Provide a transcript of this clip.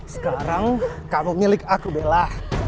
sekarang kamu milik aku bella